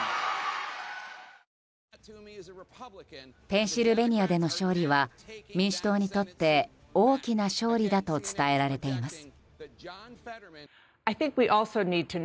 ペンシルベニアでの勝利は民主党にとって大きな勝利だと伝えられています。